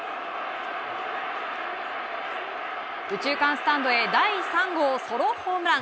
右中間スタンドへ第３号ソロホームラン。